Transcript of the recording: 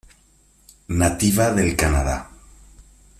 Nativa del Canadá.